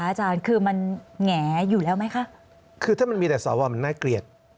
อาจารย์คือมันแหงอยู่แล้วไหมคะคือถ้ามันมีแต่สวมันน่าเกลียด